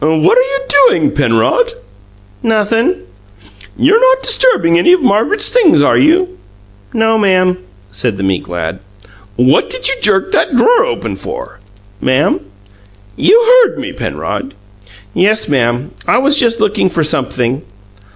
"What are you doing, Penrod?" "Nothin'." "You're not disturbing any of Margaret's things, are you?" "No, ma'am," said the meek lad. "What did you jerk that drawer open for?" "Ma'am?" "You heard me, Penrod." "Yes, ma'am. I was just lookin' for sumpthing."